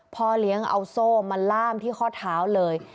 พ่อเลี้ยงเอาโซ่มาล่ามที่ข้อเท้าเลย